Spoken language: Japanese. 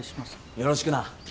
よろしくな。